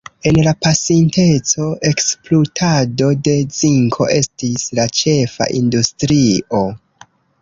En la pasinteco, ekspluatado de zinko estis la ĉefa industrio.